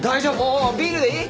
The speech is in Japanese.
おおビールでいい？